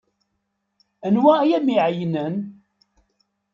Anwa ay am-iɛeyynen?